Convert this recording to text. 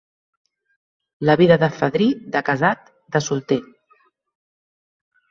La vida de fadrí, de casat, de solter.